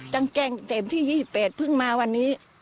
จังแก้งเต็มที่๒๘เพิ่งมาวันนี้